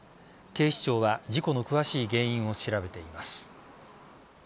警視庁は事故の詳しい原因を調べています。